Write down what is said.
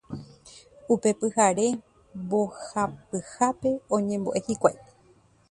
Upe pyhare mbohapyhápe oñembo'e hikuái.